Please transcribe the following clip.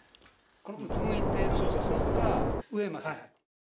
このうつむいてるのが上間さん。